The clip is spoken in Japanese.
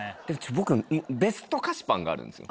僕ベスト菓子パンがあるんですよ。